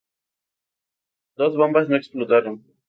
Dos bombas no explotaron.